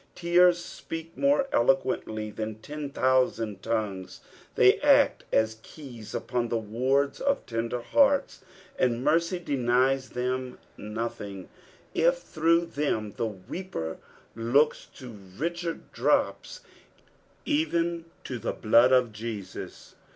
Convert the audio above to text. Tears speak more eloauently than ten thousand tongues ; they act ns keys upon the wards of tender hearts, and mercy denies them nothing, if through them the weeper looks to richer drops, even to the blood of Jesus.